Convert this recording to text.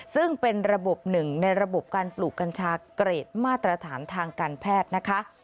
ซึ่งเป็นระบบหนึ่งในระบบการปลูกกัญชาเกรดมาตรฐานทางการแพทย์นะคะ